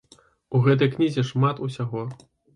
У гэтай кнізе шмат усяго.